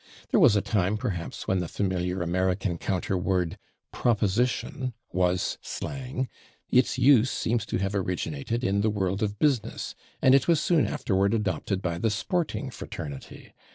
There was a time, perhaps, when the familiar American counter word, /proposition/, was slang; its use seems to have originated in the world of business, and it was soon afterward adopted by the sporting fraternity.